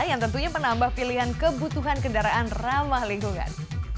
yang tentunya penambah pilihan kebutuhan kendaraan ramah lingkungan